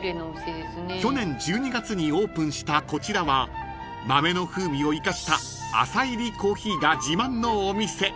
［去年１２月にオープンしたこちらは豆の風味を生かした浅いりコーヒーが自慢のお店］